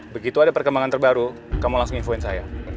begitu ada perkembangan terbaru kamu langsung infoin saya